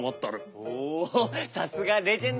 おおさすがレジェンド。